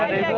ya udah deh